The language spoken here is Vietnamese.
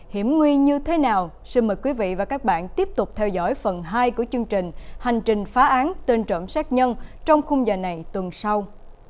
hãy tiếp tục theo dõi phần hai của chương trình hành trình phá án tên trộm sát nhân trong khung dạ này tuần sau